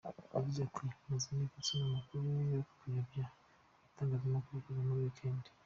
Yagize ati: “Maze iminsi nsoma amakuru yo kuyobya mu itangazamakuru kuva muri weekend.